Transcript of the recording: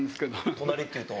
隣っていうと？